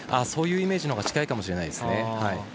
そういうイメージのほうが近いかもしれないですね。